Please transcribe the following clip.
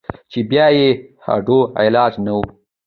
چې بيا ئې هډو علاج نۀ وي -